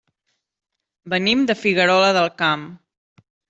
Venim de Figuerola del Camp.